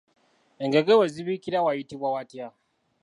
Engege we zibiikira wayitibwa watya?